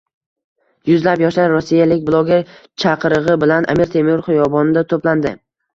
Yuzlab yoshlar rossiyalik bloger chaqirig‘i bilan Amir Temur xiyobonida to‘plandi